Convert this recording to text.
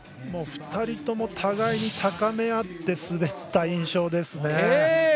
２人とも互いに高め合って滑った印象ですね。